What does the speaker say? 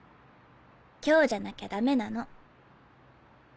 今日じゃなきゃダメなの。